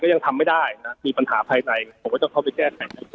ยังทำไม่ได้นะมีปัญหาภายในผมก็ต้องเข้าไปแก้ไข